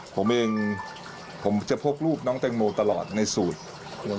ผมเองผมจะพกรูปน้องแตงโมตลอดในสูตร